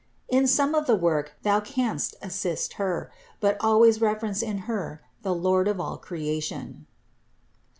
In some of the work thou canst assist Her, but always reverence in Her the Lord of all creation."